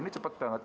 ini cepat banget